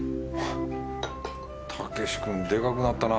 武君でかくなったな